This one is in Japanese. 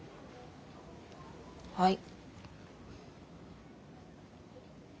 はい。